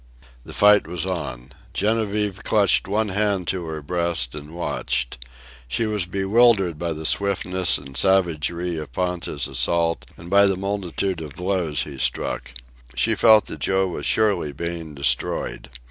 The fight was on. Genevieve clutched one hand to her breast and watched. She was bewildered by the swiftness and savagery of Ponta's assault, and by the multitude of blows he struck. She felt that Joe was surely being destroyed.